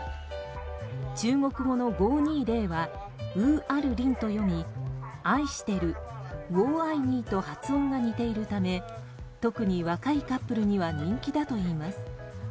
中国語の５２０はウー・アル・リンと読み愛している、ウォ・アイ・ニーと発音が似ているため特に若いカップルには人気だといいます。